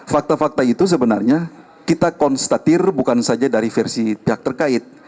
fakta fakta itu sebenarnya kita konstatir bukan saja dari versi pihak terkait